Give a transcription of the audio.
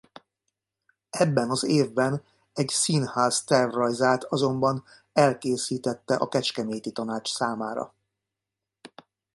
Ebben az évben egy színház tervrajzát azonban elkészítette a kecskeméti tanács számára.